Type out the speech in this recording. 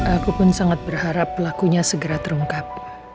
aku pun sangat berharap pelakunya segera terungkap